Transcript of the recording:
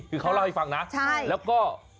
คือเขาเล่าให้ฟังนะแล้วก็